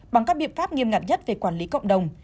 bằng các biện pháp nghiêm ngặt nhất về quản lý cộng đồng